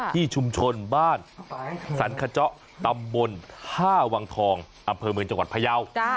ที่ชุมชนบ้านสรรขเจาะตำบลท่าวังทองอำเภอเมืองจังหวัดพยาว